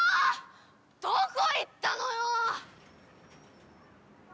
どこ行ったのよ！